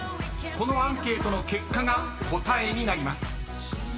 ［このアンケートの結果が答えになります］